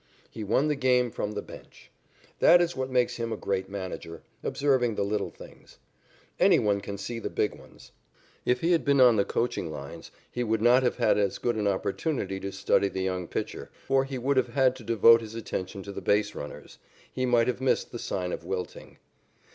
He won the game from the bench. That is what makes him a great manager, observing the little things. Anyone can see the big ones. If he had been on the coaching lines, he would not have had as good an opportunity to study the young pitcher, for he would have had to devote his attention to the base runners. He might have missed this sign of wilting.